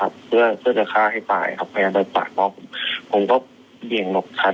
เพื่อจะฆ่าให้ตายครับพยายามโดยปากผมก็เหยียงหลบทัน